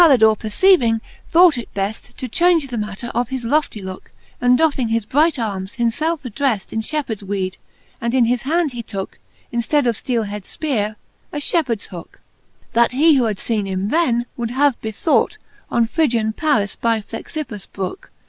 Which Caltdore perceiving, thought it bell To chaunge die manner of his loftie looke ; And doffing his bright armes, himfelfe addreft In fliepheards weed ; and in his hand he tooke, In ftead of fteelehead fpeare, a fliepheards hooke ; That who had feene him then^ would have bethought On Phrygian Paris by Pkxippus brooke.